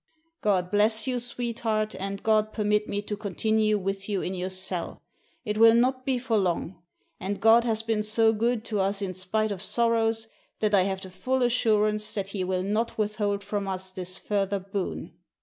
"*God bless you, sweetheart; and God permit me to continue with you in your cell It will not be for long. And God has been so good to us in spite of sorrows, that I have a full assurance that He will not withhold from us this further boon.